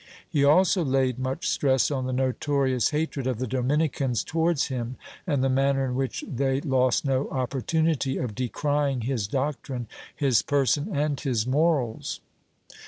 He also laid much stress on the notorious hatred of the Dominicans towards him, and the manner in which they lost no opportunity of decrying his doctrine, his person and his morals.